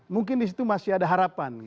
mungkin di situ masih ada harapan